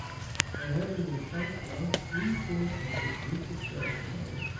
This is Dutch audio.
Wij hebben een transparant, uniform en evenwichtig stelsel nodig.